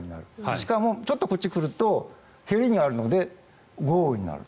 しかもちょっとこっちに来るとへりがあるので、豪雨になる。